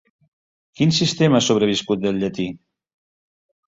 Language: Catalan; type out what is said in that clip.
Quin sistema ha sobreviscut del llatí?